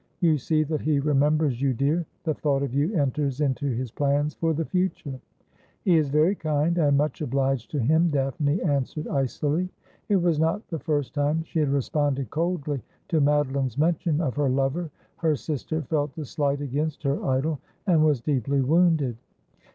' You see that he remembers you, dear. The thought of you enters into his plans for the future.' ' He is very kind : I am much obliged to him,' Daphne answered icily. It was not the first time she had responded coldly to Mado line's mention of her lover. Her sister felt the slight against her idol, and was deeply wounded.